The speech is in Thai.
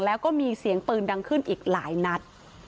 แล้วก็มีเสียงปืนดังขึ้นอีกหลายนัด